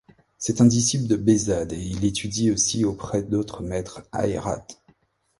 C'est un disciple de Behzad et il étudie aussi auprès d'autres maîtres à Hérat.